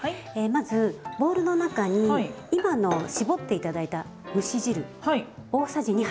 まずボウルの中に今の絞って頂いた蒸し汁大さじ２杯。